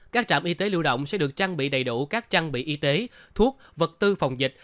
các trạm y tế lưu động sẽ được trang bị đầy đủ các trang bị y tế thuốc vật tư phòng dịch